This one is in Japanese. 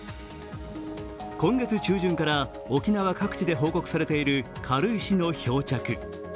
今月中旬から沖縄各地で報告されている軽石の漂着。